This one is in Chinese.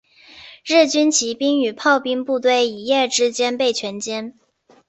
日军骑兵与炮兵部队一夜之间被全歼。